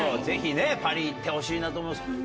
ぜひパリへ行ってほしいなと思います。